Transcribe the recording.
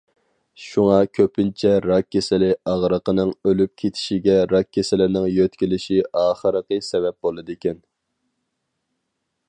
شۇڭا، كۆپىنچە راك كېسىلى ئاغرىقلىرىنىڭ ئۆلۈپ كېتىشىگە راك كېسىلىنىڭ يۆتكىلىشى ئاخىرقى سەۋەب بولىدىكەن.